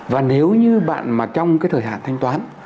và nếu như bạn mà trong cái thời hạn thanh toán